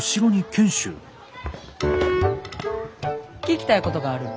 聞きたいことがある。